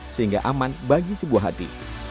sehingga aman bagi sebuah hati